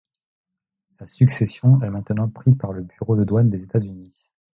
Sa succession est maintenant pris par le bureau de douane des États-Unis.